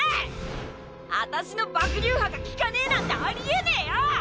アタシの爆流破が効かねえなんてありえねえよっ！